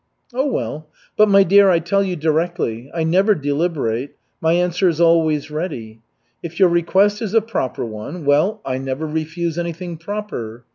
"Oh, well. But, my dear, I tell you directly, I never deliberate, my answer is always ready. If your request is a proper one, well, I never refuse anything proper.